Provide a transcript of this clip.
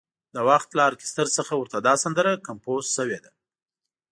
د وخت له ارکستر څخه ورته دا سندره کمپوز شوې ده.